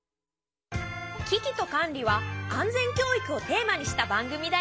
「キキとカンリ」は安全教育をテーマにした番組だよ。